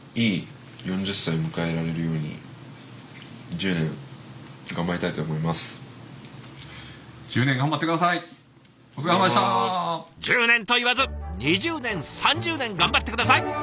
１０年と言わず２０年３０年頑張って下さい！